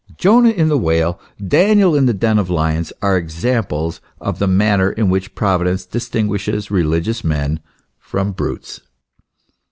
Jonah in the whale, Daniel in the den of lions, are examples of the manner in which Providence distinguishes (religious) men from brutes.